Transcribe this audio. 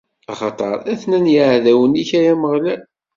Axaṭer, atnan yeɛdawen-ik, ay Ameɣlal.